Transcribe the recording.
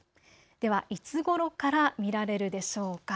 ではいつごろから見られるでしょうか。